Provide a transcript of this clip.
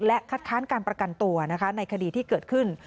และคัดค้านการประกันตัวนะคะในคดีที่เกิดขึ้น